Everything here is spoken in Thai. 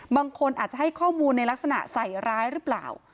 บางคนอาจจะให้ข้อมูลในลักษณะใส่ร้ายหรือเปล่า